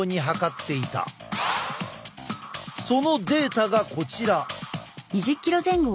そのデータがこちら。